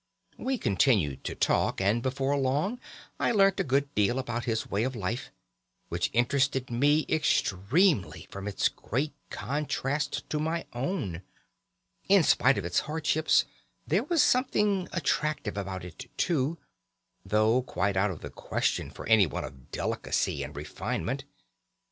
"We continued to talk, and before long I learnt a good deal about his way of life, which interested me extremely from its great contrast to my own. In spite of its hardships there was something attractive about it too, though quite out of the question for anyone of delicacy and refinement.